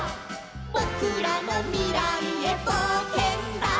「ぼくらのみらいへぼうけんだ」